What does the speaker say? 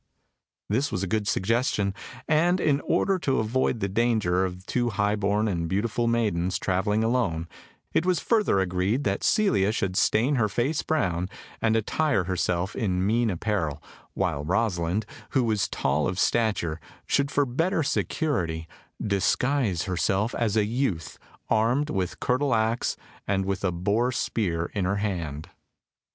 This was a good suggestion, and in order to avoid the danger of two high born and beautiful maidens travelling alone, it was further agreed that Celia should stain her face brown, and attire herself in mean apparel, while Rosalind, who was tall of stature, should for better security, disguise herself as a youth, armed with curtle axe, and with a boar spear in her hand.